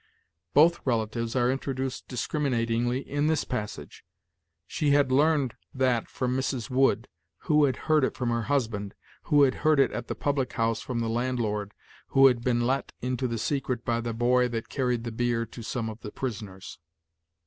"Both relatives are introduced discriminatingly in this passage: 'She had learned that from Mrs. Wood, who had heard it from her husband, who had heard it at the public house from the landlord, who had been let into the secret by the boy that carried the beer to some of the prisoners.'